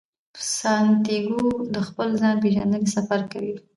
سانتیاګو د خپل ځان پیژندنې سفر کوي.